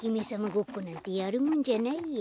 ごっこなんてやるもんじゃないや。